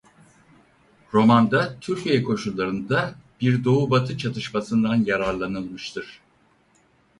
Romanda Türkiye koşullarında bir doğu—batı çatışmasından yararlanılmıştır.